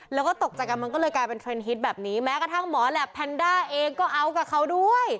แล้วก็ตกใจกันมันก็เลยกลายเป็นเทรนดฮิตแบบนี้แม้กระทั่งหมอแหลปแพนด้าเองก็เอากับเขาด้วย